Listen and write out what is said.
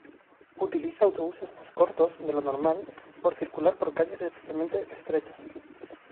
Utiliza autobuses más cortos de lo normal por circular por calles especialmente estrechas.